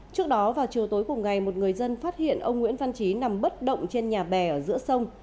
trước đó vào chiều tối cùng ngày một người dân phát hiện ông nguyễn văn trí nằm bất động trên nhà bè ở giữa sông